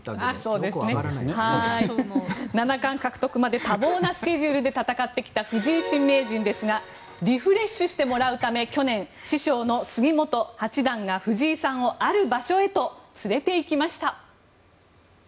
七冠獲得まで多忙なスケジュールで戦ってきた藤井新名人ですがリフレッシュして戦ってもらうため去年、師匠の杉本昌隆八段が藤井さんをある場所へと連れていきました。